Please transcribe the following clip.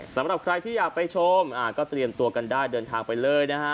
สำหรับใครที่อยากไปชมก็เตรียมตัวกันได้เดินทางไปเลยนะฮะ